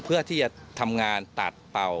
เพื่อที่จะทำงานตัดเป่า